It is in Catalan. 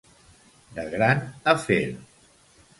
De gran afer.